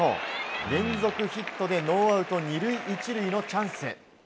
連続ヒットでノーアウト２塁１塁のチャンス。